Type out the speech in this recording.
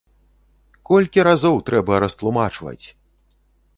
Колькі разоў трэба растлумачваць!